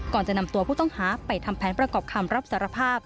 ก่อนจะนำตัวผู้ต้องหาไปทำแผนประกอบคำรับสารภาพ